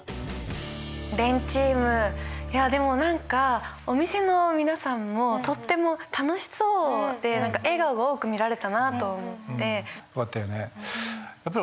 れんチームでも何かお店の皆さんもとっても楽しそうで笑顔が多く見られたなと思って。